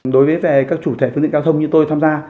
đối với các chủ thể phương tiện giao thông như tôi tham gia